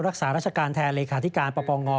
รักษาราชการแทนเลขาธิการปปง